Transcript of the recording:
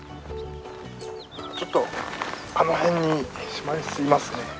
ちょっとあの辺にシマリスいますね。